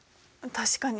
確かに。